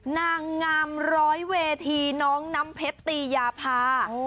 นางงามร้อยเวทีน้องน้ำเพชรตียาพา